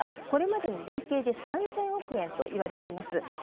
これまでに累計で３０００億円といわれています。